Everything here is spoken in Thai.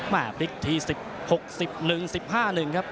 มาบริกที่สิบหกสิบหนึ่งสิบห้าหนึ่งครับ